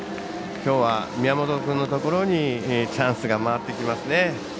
きょうは宮本君のところにチャンスが回ってきますね。